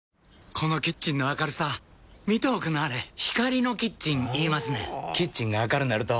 このキッチンの明るさ見ておくんなはれ光のキッチン言いますねんほぉキッチンが明るなると・・・